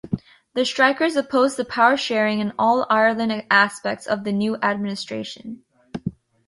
The strikers opposed the power-sharing and all-Ireland aspects of the new administration.